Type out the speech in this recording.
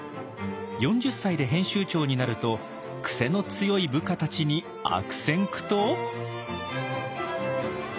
４０歳で編集長になるとクセの強い部下たちに悪戦苦闘！？